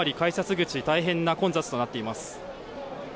口大変な混雑となっています。